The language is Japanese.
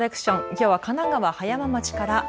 きょうは神奈川葉山町から。